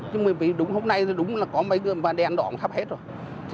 nhưng mà đúng hôm nay có mấy đèn đòn khắp hết rồi